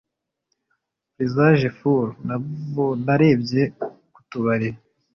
presageful, narebye ku tubari